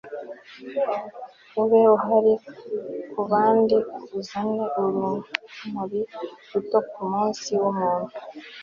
ube uhari kubandi - uzane urumuri ruto kumunsi wumuntu